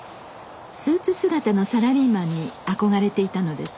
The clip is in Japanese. スーツ姿のサラリーマンに憧れていたのです。